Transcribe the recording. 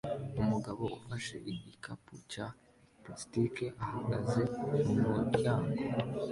Umugabo ufashe igikapu cya plastiki ahagaze mumuryango